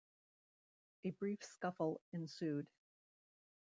A brief scuffle ensued.